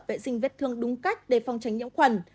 vệ sinh vết thương đúng cách để phong tránh nhiễm khuẩn